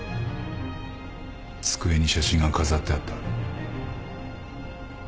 机に写真が飾ってあった。